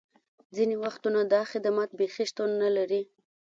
ځینې وختونه دا خدمات بیخي شتون نه لري